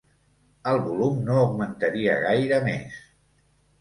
El volum no augmentaria gaire més.